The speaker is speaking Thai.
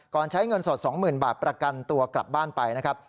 ก่อนใช้เงินสดสองหมื่นบาทประกันตัวกลับบ้านไปนะครับ